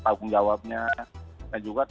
tawang jawabnya dan juga